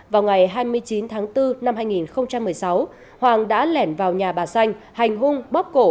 vào ngày hai mươi chín tháng bốn năm hai nghìn một mươi sáu hoàng đã lẻn vào nhà bà xanh hành hung bóp cổ